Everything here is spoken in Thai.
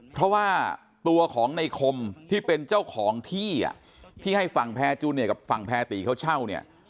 เพราะว่าตัวของในคมที่เป็นเจ้าของที่อ่ะที่ที่ให้ฝั่งแพรจูเนียกับฝั่งแพรตีเขาเช่าเนี่ย